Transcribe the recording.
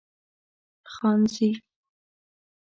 خانزي